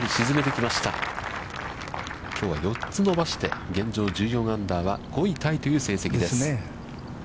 きょうは４つ伸ばして、現状１４アンダーは、５位タイという成績です。